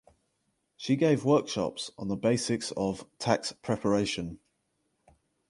She gave workshops on the basics of tax preparation.